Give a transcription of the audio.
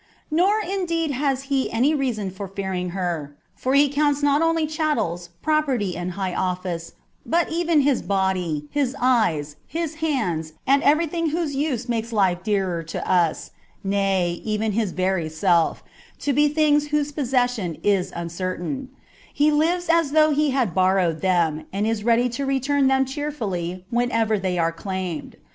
Nor indeed has he any reason for fearing her, for he counts not only chattels, property, and high office, but even his body, his eyes, his hands, and everything whose use makes life dearer to us, nay, even his very self, to be things whose possession is uncertain ; he lives as though he had borrowed them, and is ready to return them cheerfully whenever they are claimed.